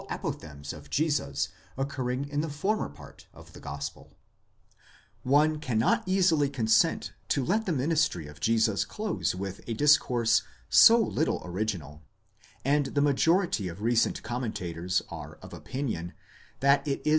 apoph thegms of Jesus occurring in the former part of the gospel. One cannot easily consent to let the ministry of Jesus close with a discourse so little original, and the majority of recent commentators are of opinion that it is the intention 11 x, 27: τὰ πρόβατα τὰ ἐμὰ τῆς φωνῆς X.